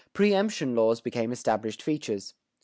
Preëmption laws became established features.